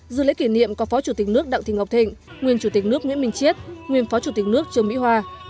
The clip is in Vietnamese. dự lễ kỷ niệm có phó chủ tịch nước đặng thị ngọc thịnh nguyên chủ tịch nước nguyễn minh chiết nguyên phó chủ tịch nước trương mỹ hoa